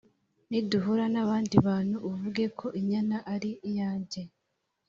‘niduhura n’abandi bantu uvuge ko inyana ari iyanjye ,